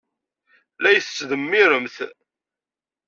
La iyi-tettdemmiremt.